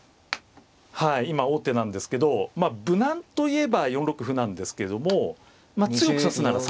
今王手なんですけど無難といえば４六歩なんですけども強く指すなら３七角。